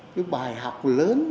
cái bài học lớn